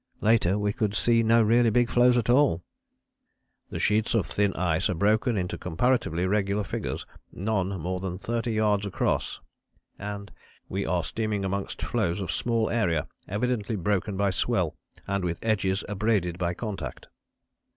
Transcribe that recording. Later we could see no really big floes at all; "the sheets of thin ice are broken into comparatively regular figures, none more than thirty yards across," and "we are steaming amongst floes of small area evidently broken by swell, and with edges abraded by contact."